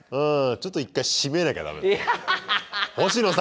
ちょっと一回締めなきゃダメかもね。